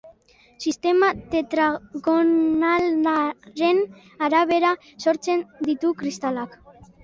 Sistema tetragonalaren arabera sortzen ditu kristalak.